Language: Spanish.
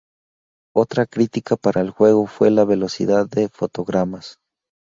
Otra crítica para el juego fue la velocidad de fotogramas.